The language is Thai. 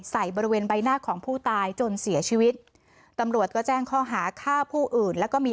ใส่บริเวณใบหน้าของผู้ตายจนเสียชีวิตตำรวจก็แจ้งข้อหาฆ่าผู้อื่นแล้วก็มี